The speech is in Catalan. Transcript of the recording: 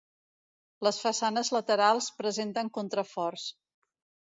Les façanes laterals presenten contraforts.